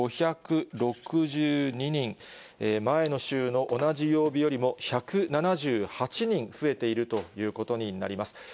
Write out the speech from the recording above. ４５６２人、前の週の同じ曜日よりも１７８人増えているということになります。